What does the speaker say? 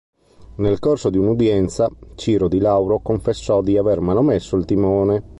Nel corso di una udienza, Ciro Di Lauro confessò di aver manomesso il timone.